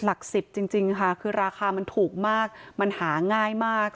หลัก๑๐จริงค่ะคือราคามันถูกมากมันหาง่ายมาก